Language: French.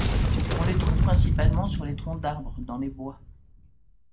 On les trouve principalement sur les troncs d'arbres dans les bois.